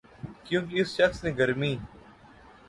کیونکہ اس شخص نے گرمی